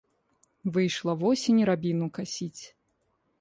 Выйшла восень рабіну касіць.